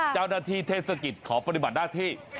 เจ้าหน้าที่เทศกิจขอปฏิบัติหน้าที่